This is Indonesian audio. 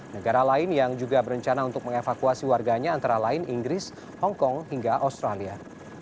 negara lain yang juga berencana untuk mengevakuasi warganya antara lain inggris hongkong hingga australia